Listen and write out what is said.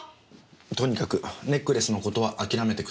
とにかくネックレスの事は諦めてください。